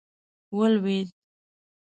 ولوېد.